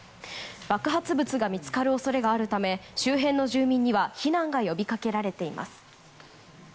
爆発物が見つかる恐れがあるため周辺の住民には避難が呼びかけられています。